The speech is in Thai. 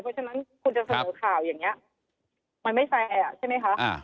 เพราะฉะนั้นคุณจะเสนอข่าวอย่างนี้มันไม่แอร์ใช่ไหมคะ